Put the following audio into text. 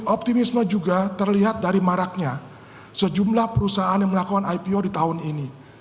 optimisme juga terlihat dari maraknya sejumlah perusahaan yang melakukan ipo di tahun ini